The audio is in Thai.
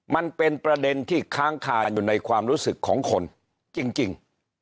มันเป็นประเด็นที่ค้างคาอยู่ในความรู้สึกของคนจริง